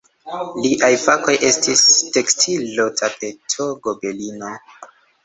Liaj fakoj estis tekstilo-tapeto-gobelino.